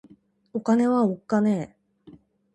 お金はおっかねぇ